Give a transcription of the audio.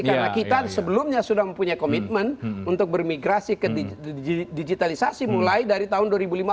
karena kita sebelumnya sudah mempunyai komitmen untuk bermigrasi ke digitalisasi mulai dari tahun dua ribu lima belas